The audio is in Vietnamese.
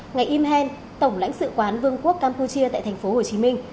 ngài im hen tổng lãnh sự quán vương quốc campuchia tại tp hcm